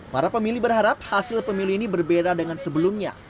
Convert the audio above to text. para pemilih berharap hasil pemilu ini berbeda dengan sebelumnya